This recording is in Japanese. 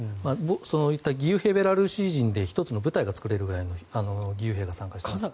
そういった義勇兵ベラルーシ人で１つの部隊が作れるくらいの義勇兵が参加しています。